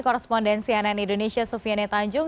korrespondensi ann indonesia sufiane tanjung